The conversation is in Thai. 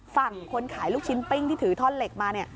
ฝั่งคนขายลูกชิ้นปิ้งที่ถือท่อนเหล็กมา